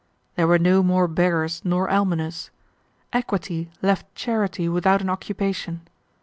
There were no more beggars nor almoners. Equity left charity without an occupation.